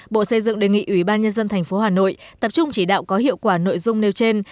bộ xây dựng đề nghị ủy ban nhân dân tp hà nội tập trung chỉ đạo có hiệu quả nội dung nêu trên